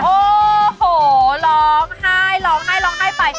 โอ้โหร้องไห้ร้องไห้ร้องไห้ไป